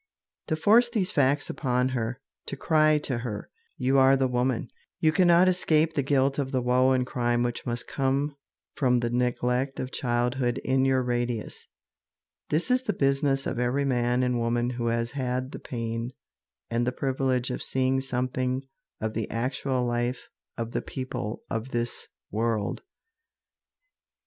To force these facts upon her, to cry to her, "You are the woman, you cannot escape the guilt of the woe and crime which must come from the neglect of childhood in your radius," this is the business of every man and woman who has had the pain and the privilege of seeing something of the actual life of the people of this world.